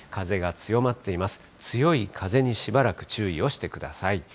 強い風にしばらく注意をしてください。